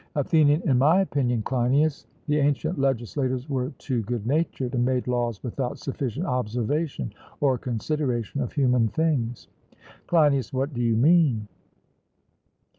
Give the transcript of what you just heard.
ATHENIAN: In my opinion, Cleinias, the ancient legislators were too good natured, and made laws without sufficient observation or consideration of human things. CLEINIAS: What do you mean?